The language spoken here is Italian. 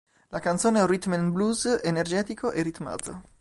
La canzone è un rythm'n'blues energetico e ritmato.